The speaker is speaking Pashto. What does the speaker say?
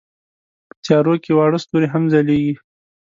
په تیارو کې واړه ستوري هم ځلېږي.